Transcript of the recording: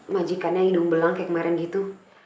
majikan yang hidung belang kayak kemarin gitu